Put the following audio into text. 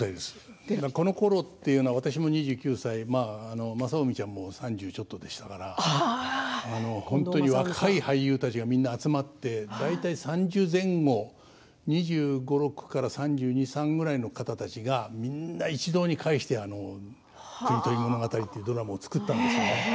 このころは私も２９歳、正臣ちゃんは３１でしたから本当に若い俳優たちがみんな集まって大体３０前後２５から３３ぐらいの方たちが一堂に会して「国盗り物語」というドラマを作ったんですね。